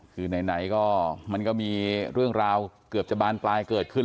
คือไหนก็มันก็มีเรื่องราวเกือบจะบานปลายเกิดขึ้น